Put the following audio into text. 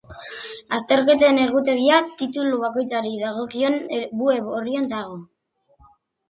Azterketen egutegia titulu bakoitzari dagokion web orrian dago.